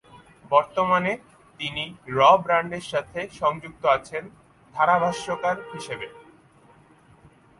বর্তমানে তিনি র ব্র্যান্ডের সাথে সংযুক্ত আছেন ধারাভাষ্যকার হিসেবে।